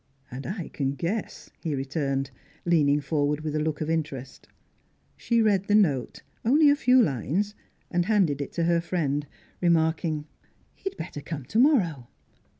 "And I can guess," he returned, leaning forward with a look of interest. She read the note only a few lines, and handed it to her friend, remarking: "He'd better come to morrow."